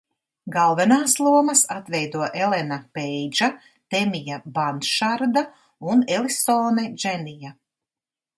Galvenās lomas atveido Elena Peidža, Temija Banšarda un Elisone Dženija.